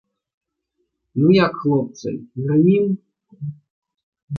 Ну, як, хлопцы, грымім?